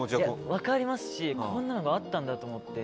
分かりますしこんなのがあったんだと思って。